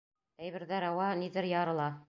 Әйберҙәр ауа, ниҙер ярыла.